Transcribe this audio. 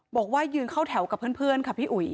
บอกว่ายืนเข้าแถวกับเพื่อนค่ะพี่อุ๋ย